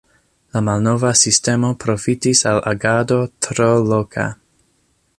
La malnova sistemo profitis al agado tro loka.